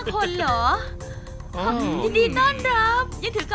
ซุปไก่เมื่อผ่านการต้มก็จะเข้มขึ้น